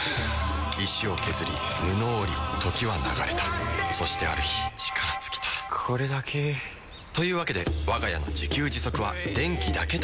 石を削り布を織り時は流れたそしてある日力尽きたこれだけ。というわけでわが家の自給自足は電気だけということになった